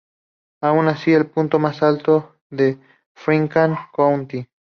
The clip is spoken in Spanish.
Aun así, es el punto más alto de Finnmark county.